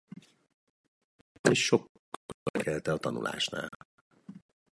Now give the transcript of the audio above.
A zene ugyanis sokkal jobban érdekelte a tanulásnál.